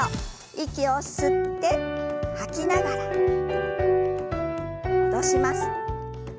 息を吸って吐きながら戻します。